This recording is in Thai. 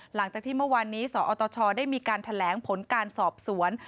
หลังจากที่เมื่อวานนี้สอตชได้มีการแถลงผลการสอบสวน